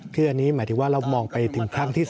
คืออันนี้หมายถึงว่าเรามองไปถึงครั้งที่๓